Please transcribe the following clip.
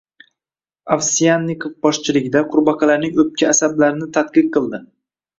Ovsyannikov boshchiligida qurbaqalarning o‘pka asablarini tadqiq qildi